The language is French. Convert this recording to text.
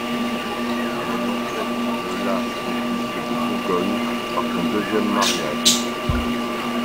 Elle est l'ancêtre de la de ducs de Bourgogne, par son deuxième mariage.